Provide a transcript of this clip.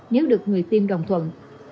nếu được người tiêm đồng thuận